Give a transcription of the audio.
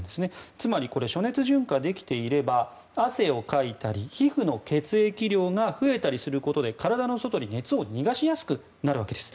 つまり、暑熱順化できていれば汗をかいたり皮膚の血液量が増えたりすることで体の外に熱を逃がしやすくなるわけです。